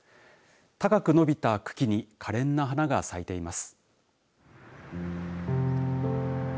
高く伸びた茎にかれんな花が咲いています。